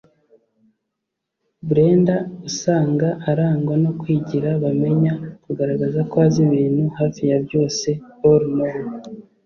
Brenda usanga arangwa no kwigira bamenya ( ku garagaza ko azi ibintu hafi ya byose (all known)